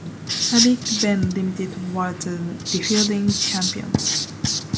Habib Bank Limited were the defending champions.